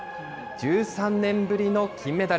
１３年ぶりの金メダル。